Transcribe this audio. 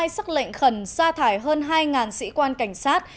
xác lệnh khẩn xa thải hơn hai sĩ quan cảnh sát